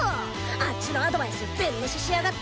あッチのアドバイス全ムシしやがって！